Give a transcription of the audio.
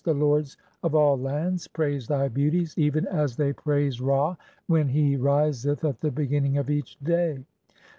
The lords "of all lands praise thy beauties even as they praise Ra when "(29) he riseth at the beginning of each day.